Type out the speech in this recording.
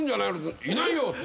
いないよ！